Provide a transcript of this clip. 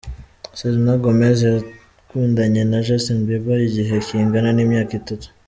Selena Gomez yakundanye na Justin Bieber igihe kingana n'imyaka itatu.